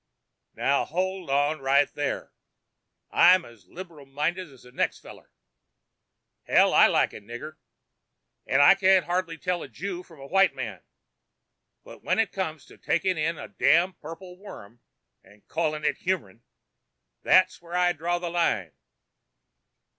"Now, hold on right there. I'm as liberal minded as the next feller. Hell, I like a nigger and I can't hardly tell a Jew from a white man. But when it comes to takin' in a damned purple worm and callin' it humern that's where I draw the line."